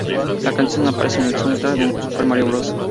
La canción aparece en el soundtrack de "Super Mario Bros.